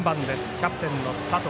キャプテンの佐藤。